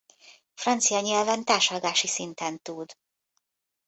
Francia nyelven társalgási szinten tud.